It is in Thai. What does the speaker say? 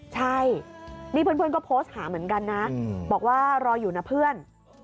ใช่นี่เพื่อนก็โพสต์หาเหมือนกันนะบอกว่ารออยู่นะเพื่อน